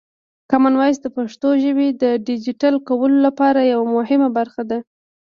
کامن وایس د پښتو ژبې د ډیجیټل کولو لپاره یوه مهمه برخه ده.